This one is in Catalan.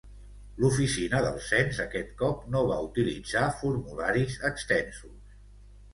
L'Oficina del Cens aquest cop no va utilitzar formularis extensos.